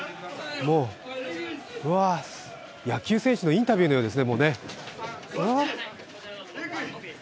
野球選手のインタビューのようですね。